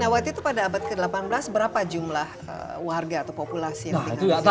nah waktu itu pada abad ke delapan belas berapa jumlah warga atau populasi yang tinggal di sana